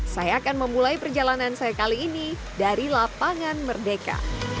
saya akan memulai perjalanan saya kali ini dari lapangan merdeka